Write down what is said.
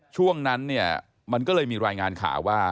ช่วงนั้นเนี่ยมันก็เลยมีรายงานข่าวว่า